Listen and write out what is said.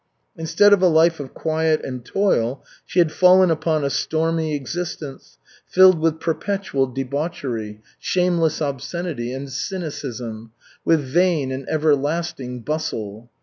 Instead of a life of quiet and toil, she had fallen upon a stormy existence, filled with perpetual debauchery, shameless obscenity and cynicism, with vain and everlasting bustle.